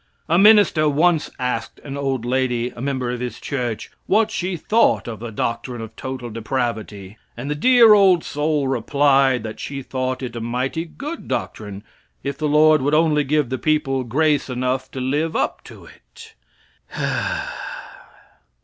A minister once asked an old lady, a member of his church, what she thought of the doctrine of total depravity, and the dear old soul replied that she thought it a mighty good doctrine if the Lord would only give the people grace enough to live up to it?